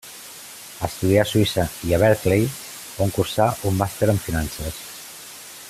Estudià a Suïssa i a Berkeley, on cursà un màster en finances.